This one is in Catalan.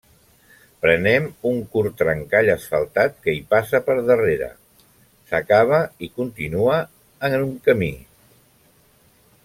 Prenem un curt trencall asfaltat que hi passa per darrere, s'acaba i continua en camí.